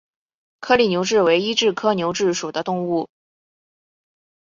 颗粒牛蛭为医蛭科牛蛭属的动物。